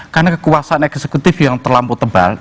karena kekuasaan eksekutif yang terlampau tebal